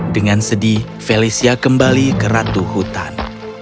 dengan sedih felicia kembali ke ratu hutan